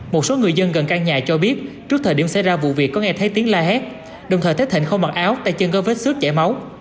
một số người dân gần căn nhà cho biết trước thời điểm xảy ra vụ việc có nghe thấy tiếng la hét đồng thời thấy thịnh không mặc áo tay chân có vết xước chảy máu